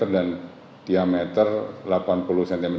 dan diameter delapan puluh cm